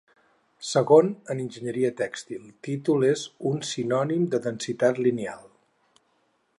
Segon, en enginyeria tèxtil, títol és un sinònim de densitat lineal.